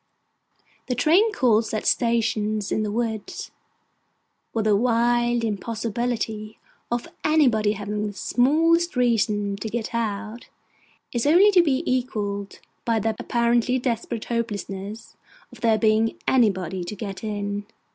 The train calls at stations in the woods, where the wild impossibility of anybody having the smallest reason to get out, is only to be equalled by the apparently desperate hopelessness of there being anybody to get in.